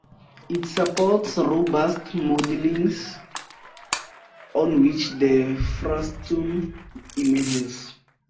It supports robust mouldings on which the frustum emerges.